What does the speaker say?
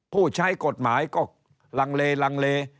ผู้ใช้กฎหมายก็ลังเล